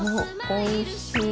おいしい。